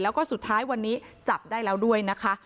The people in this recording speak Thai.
แล้วก็สุดท้ายวันนี้จับได้แล้วด้วยนะคะ